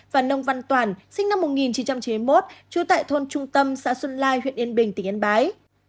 và nông văn toản sinh năm một nghìn chín trăm chín mươi một trú tại thôn trung tâm xã xuân lai huyện yên bình tỉnh yên bái